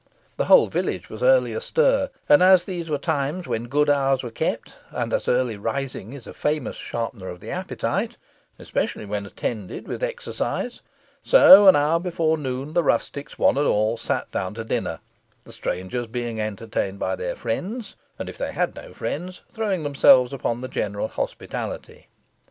The whole village was early astir; and as these were times when good hours were kept; and as early rising is a famous sharpener of the appetite, especially when attended with exercise, so an hour before noon the rustics one and all sat down to dinner, the strangers being entertained by their friends, and if they had no friends, throwing themselves upon the general hospitality.